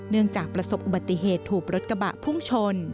จากประสบอุบัติเหตุถูกรถกระบะพุ่งชน